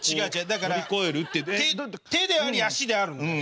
だから手であり足であるの。